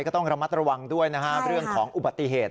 ก็ต้องระมัดระวังด้วยนะครับเรื่องของอุบัติเหตุ